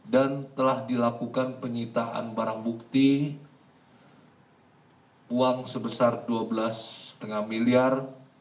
dan telah dilakukan penyitaan barang bukti uang sebesar dua belas lima miliar